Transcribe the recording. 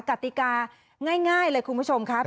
กติกาง่ายเลยคุณผู้ชมครับ